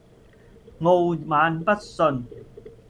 傲慢不遜